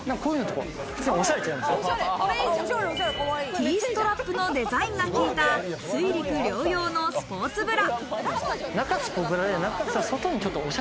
Ｔストラップのデザインがきいた、水陸両用のスポーツブラ。